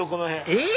えっ！